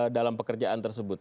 dalam pekerjaan tersebut